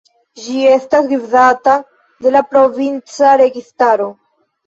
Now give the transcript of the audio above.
Ĝi estas gvidata de la provinca registaro.